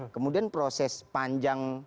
kemudian proses panjang